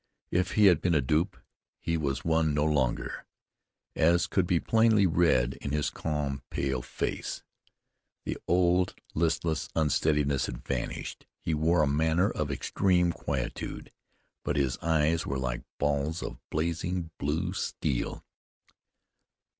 If he had been a dupe, he was one no longer, as could be plainly read on his calm, pale face. The old listlessness, the unsteadiness had vanished. He wore a manner of extreme quietude; but his eyes were like balls of blazing blue steel.